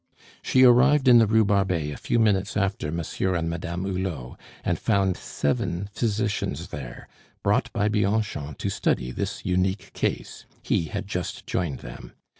She arrived in the Rue Barbet a few minutes after Monsieur and Madame Hulot, and found seven physicians there, brought by Bianchon to study this unique case; he had just joined them.